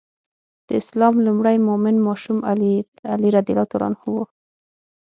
د اسلام لومړی مؤمن ماشوم علي رض و.